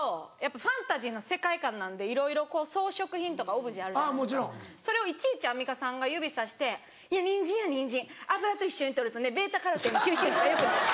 ファンタジーの世界観なんでいろいろ装飾品とかオブジェあるじゃないですかそれをいちいちアンミカさんが指さして「ニンジンやニンジン油と一緒に取るとねベータカロテンの吸収率がよくなる」。